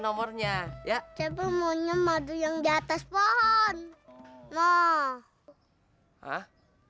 nomor yang keluar sekarang adalah sembilan